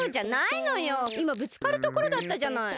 いまぶつかるところだったじゃない。